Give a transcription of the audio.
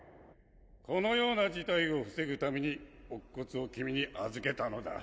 このような事態を防ぐために乙骨を君に預けたのだ。